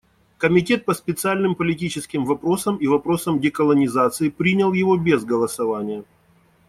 Комитет по специальным политическим вопросам и вопросам деколонизации принял его без голосования.